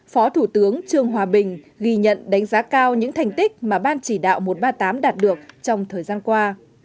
phó thủ tướng trương hòa bình ghi nhận đánh giá cao những thành tích mà ban chỉ đạo một trăm ba mươi tám đạt được trong thời gian qua